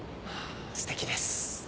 すてきです。